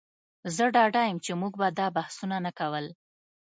زه ډاډه یم چې موږ به دا بحثونه نه کول